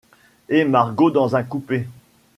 Et Margot dans un coupé.